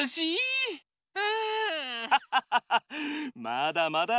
まだまだ！